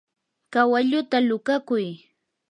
kawalluta luqakuy.